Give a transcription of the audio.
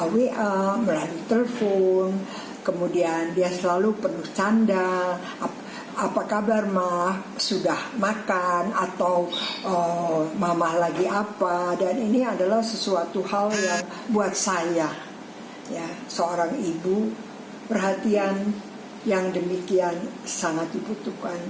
wa melalui telepon kemudian dia selalu penuh canda apa kabar mah sudah makan atau mama lagi apa dan ini adalah sesuatu hal yang buat saya seorang ibu perhatian yang demikian sangat dibutuhkan